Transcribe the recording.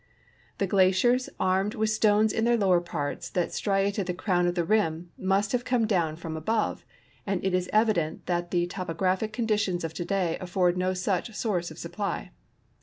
The glaciers armed with stones in their lower parts, that striated the crown of the rim, must have come down from ahove, and it is evident that the topographic conditions of toda}^ afford no such source of supply.